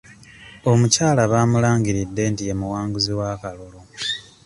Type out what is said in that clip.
Omukyala baamulangiridde nti ye muwanguzi w'akalulu.